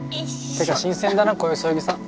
ってか新鮮だなこういうそよぎさん。